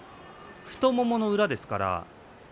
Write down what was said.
太ももの裏です。